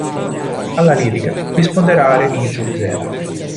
Alla lirica risponderà Remigio Zena.